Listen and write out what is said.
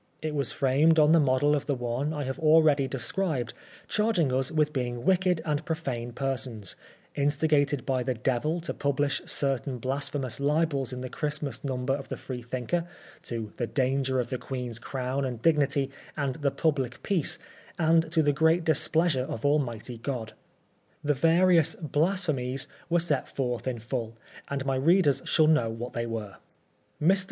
It was framed on the model of the one I have already described charging us with being wicked and profane persons, instigated by the Devil to publish certain blasphemous libels in the Christmas Number of the Freethinker, to the danger of the Queen's Crown and dignity and the public peace, and to the great displeasure of Almighty God. The various " blasphemies " were set forth in full, and my readers shall know what they were. Mr.